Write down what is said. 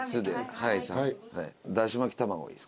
はい。